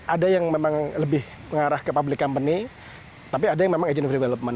ada yang memang lebih mengarah ke public company tapi ada yang memang agent of development